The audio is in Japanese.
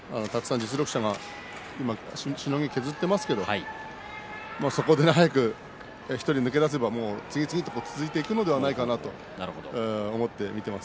実力者がしのぎを削っていますからそこで早く１人抜け出せば次、次続いていくのではないかなと思って見ています。